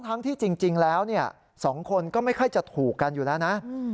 ทั้งที่จริงแล้วเนี่ยสองคนก็ไม่ค่อยจะถูกกันอยู่แล้วนะ